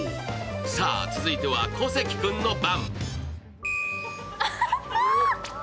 さあ、続いては、小関君の番。